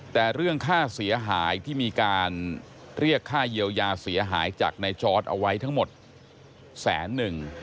แต่เรื่องค่าเสียหายที่มีการเรียกค่าเยียวยาเสียหายจากในจอร์ดเอาไว้ทั้งหมดแสนหนึ่ง